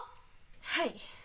はい。